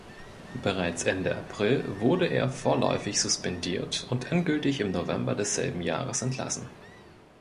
Bereits Ende April wurde er vorläufig suspendiert und endgültig im November desselben Jahres entlassen.